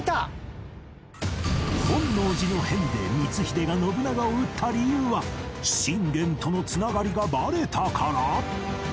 本能寺の変で光秀が信長を討った理由は信玄との繋がりがバレたから？